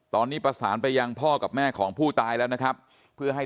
ตอนนี้ประสานไปยังพ่อกับแม่ของผู้ตายแล้วนะครับเพื่อให้